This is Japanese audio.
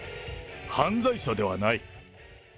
犯罪者ではない。